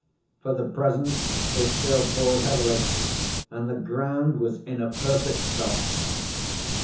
For the present, it still poured heavily, and the ground was in a perfect sop.